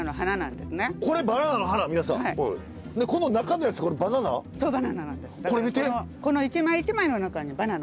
でこの中のやつこれバナナ？